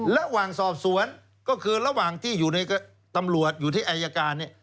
ระหว่างสอบสวนก็คือระหว่างที่อยู่ในตำรวจอยู่ที่อายการเนี่ย